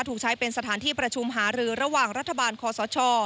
ถูกใช้เป็นสถานที่ประชุมหารือระหว่างรัฐบาลคอสช